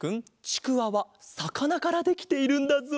ちくわはさかなからできているんだぞ！